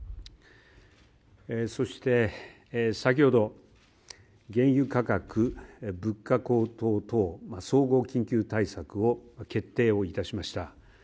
そして、先ほど、原油価格、物価高騰等総合緊急対策を決定をいたしました。